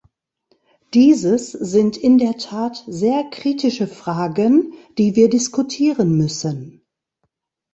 Dieses sind in der Tat sehr kritische Fragen, die wir diskutieren müssen.